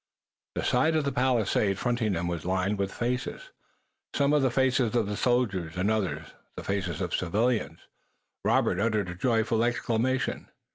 The side of the palisade fronting them was lined with faces, some the faces of soldiers and others the faces of civilians. Robert uttered a joyful exclamation.